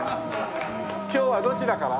今日はどちらから？